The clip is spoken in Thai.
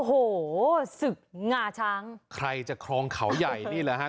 โอ้โหศึกงาช้างใครจะคลองเขาใหญ่นี่แหละฮะ